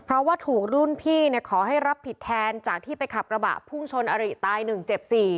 เพราะว่าถูกรุ่นพี่ขอให้รับผิดแทนจากที่ไปขับกระบะพุ่งชนอริตาย๑เจ็บ๔